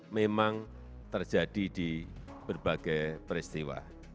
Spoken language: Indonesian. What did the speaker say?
memang terjadi di berbagai peristiwa